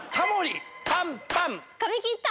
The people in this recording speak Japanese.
髪切った？